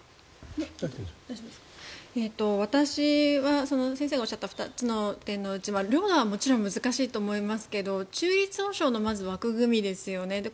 私は先生がおっしゃった２つの点のうち領土はもちろん難しいと思いますけど中立保証の枠組みですよね。